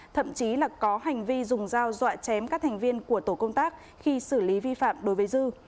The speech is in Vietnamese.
thậm chí là có hành vi dùng dao dọa chém các thành viên của tổ công tác khi xử lý vi phạm đối với dư